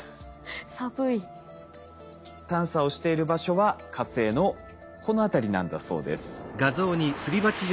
探査をしている場所は火星のこの辺りなんだそうです。